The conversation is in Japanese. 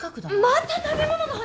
また食べ物の話！？